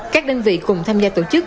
các đơn vị cùng tham gia tổ chức